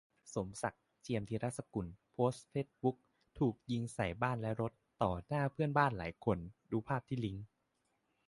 สมศักดิ์ เจียมธีรสกุล โพสต์เฟซบุ๊ก ถูกยิงใส่บ้านและรถ ต่อหน้าเพื่อนบ้านหลายคน - ดูภาพที่ลิงก์